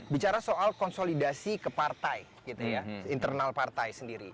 bicara soal konsolidasi ke partai gitu ya internal partai sendiri